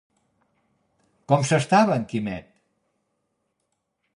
Com s'estava en Quimet?